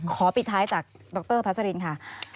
ขอปิดท้ายจากดรพัศรินทร์ค่ะ